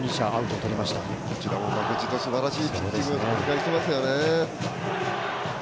こちらも負けじとすばらしいピッチングを展開していますね。